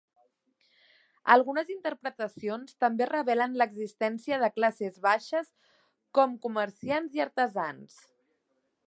Algunes interpretacions també revelen l'existència de classes baixes com comerciants i artesans.